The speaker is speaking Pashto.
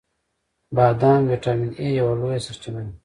• بادام د ویټامین ای یوه لویه سرچینه ده.